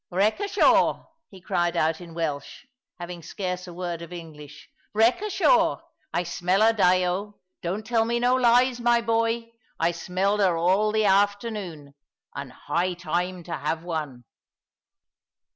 "Wreck ashore!" he cried out in Welsh, having scarce a word of English "wreck ashore! I smell her, Dyo. Don't tell me no lies, my boy. I smelled her all the afternoon. And high time to have one."